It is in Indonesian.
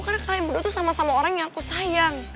karena kalian berdua tuh sama sama orang yang aku sayang